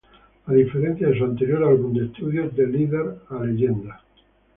A diferencia de su anterior álbum de estudio, De Líder a Leyenda.